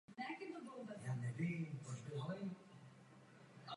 Nicméně demokracii a stabilitu do Íránu nemůžeme zavést my.